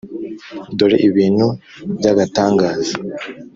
dore ibintu by’agatangaza.